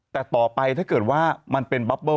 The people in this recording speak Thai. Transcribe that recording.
แต่ต่อไปถ้าเกิดว่ามันเป็นบับเบิ้